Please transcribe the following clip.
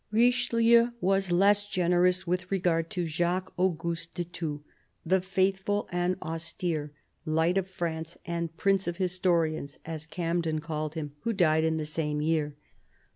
Richelieu was less generous with regard to Jacques Auguste de Thou, the " faithful and austere," " light of France" and " prince of historians," as Camden called him, who died in that same year.